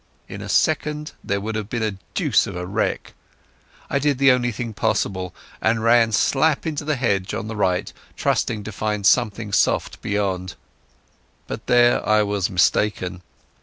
In a second there would have been the deuce of a wreck. I did the only thing possible, and ran slap into the hedge on the right, trusting to find something soft beyond. But there I was mistaken.